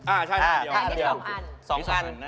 อ่าใช่ถ้าอันเดียว๒อันนี่ดี๗สำคัญ